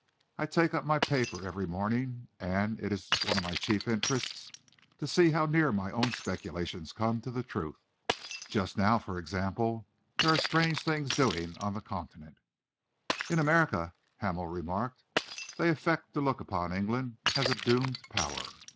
I take up my paper every morning, and it is one of my chief interests to see how near my own speculations come to the truth. Just now for example, there are strange things doing on the Continent." "In America," Hamel remarked, "they affect to look upon England as a doomed Power."